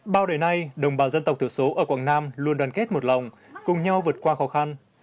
bao đời nay đồng bào dân tộc thiểu số ở quảng nam luôn đoàn kết một lòng cùng nhau vượt qua khó khăn